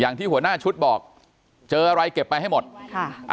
อย่างที่หัวหน้าชุดบอกเจออะไรเก็บไปให้หมดค่ะอ่า